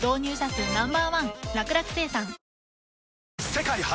世界初！